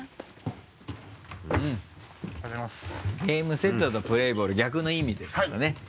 ゲームセットとプレーボール逆の意味ですからね。